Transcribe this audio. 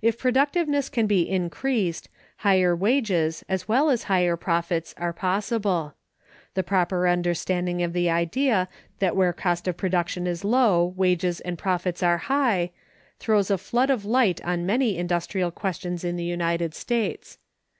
If productiveness can be increased, higher wages as well as higher profits are possible. The proper understanding of the idea that where cost of production is low wages and profits are high, throws a flood of light on many industrial questions in the United States.